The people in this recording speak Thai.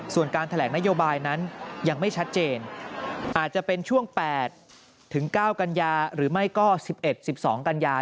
ส่วนการแถลงนโยบายนั้นยังไม่ชัดเจนอาจจะเป็นช่วง๘ถึง๙กันยาหรือไม่ก็๑๑๑๒กันยา